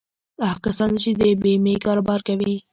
دا هغه کسان دي چې د بيمې کاروبار کوي.